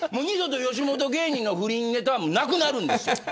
二度と吉本芸人の不倫ネタはなくなるんですよ。